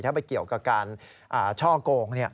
ถ้าไปเกี่ยวกับการช่อกง